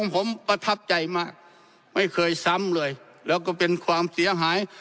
ผมประทับใจมากไม่เคยซ้ำเลยแล้วก็เป็นความเสียหาย